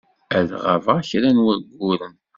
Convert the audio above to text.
Ad ɣabeɣ kra n wayyuren.